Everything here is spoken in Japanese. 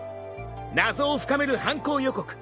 謎を深める犯行予告。